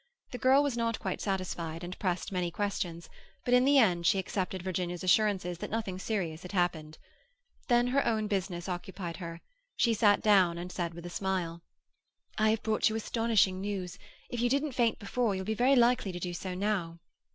The girl was not quite satisfied, and pressed many questions, but in the end she accepted Virginia's assurances that nothing serious had happened. Then her own business occupied her; she sat down, and said with a smile,— "I have brought you astonishing news. If you didn't faint before you'll be very likely to do so now."